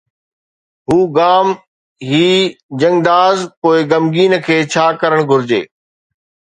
هو غام هي جنگداز، پوءِ غمگين کي ڇا ڪرڻ گهرجي؟